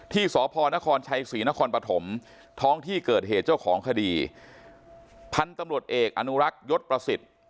ที่สพนครชัยศรีนครปฐมท้องที่เกิดเหตุเจ้าของคดีพันธุ์ตำรวจเอกอนุรักษ์ยศประสิทธิ์